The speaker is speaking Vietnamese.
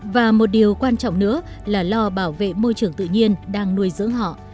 và một điều quan trọng nữa là lo bảo vệ môi trường tự nhiên đang nuôi dưỡng họ